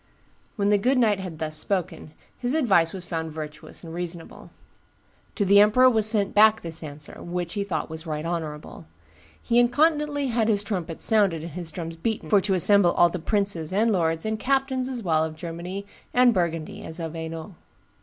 When the good knight had thus spoken, his advice was found virtuous and reasonable. To the emperor was sent back this answer, which he thought right honorable. He incontinently had his trumpets sounded and his drums beaten for to assemble all the princes, and lords, and captains as well of Germany and Burgundy as of Hainault.